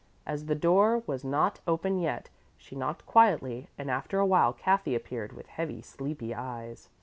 As the door was not open yet, she knocked quietly and after a while Kathy appeared with heavy, sleepy eyes.